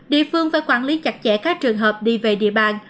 địa phương phải quản lý chặt chẽ các trường hợp đi về địa bàn